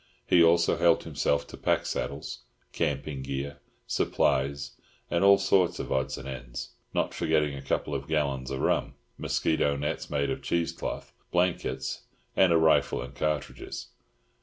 He also helped himself to pack saddles, camping gear, supplies, and all sorts of odds and ends—not forgetting a couple of gallons of rum, mosquito nets made of cheese cloth, blankets, and a rifle and cartridges.